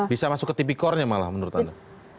bisa masuk ke tipikornya malah menurut anda